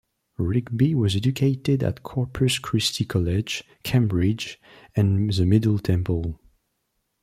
Rigby was educated at Corpus Christi College, Cambridge and the Middle Temple.